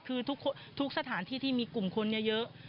คือทุกสถานที่ที่มีกลุ่มคนเยอะ